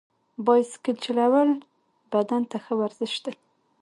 بایسکل چلول بدن ته ښه ورزش دی.